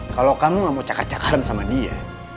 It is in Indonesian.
kalau kamu gak mau cakar cakaran sama dia